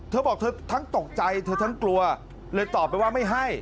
เธอบอกเธอทั้งตกใจเธอทั้งกลัวเลยตอบไปว่าไม่ให้